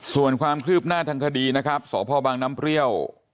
ส่วนความคืบหน้าทางคดีนะครับสพบังน้ำเปรี้ยว